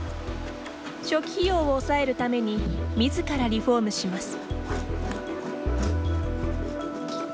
初期費用を抑えるために自らリフォームします。